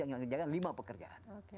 orang orang itu bisa mengerjakan lima pekerjaan